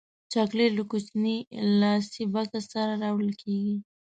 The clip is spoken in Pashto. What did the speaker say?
چاکلېټ له کوچني لاسي بکس سره راوړل کېږي.